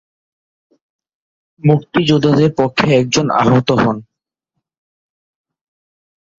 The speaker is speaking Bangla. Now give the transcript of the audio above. মুক্তিযোদ্ধাদের পক্ষে একজন আহত হন।